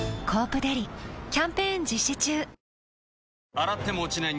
洗っても落ちない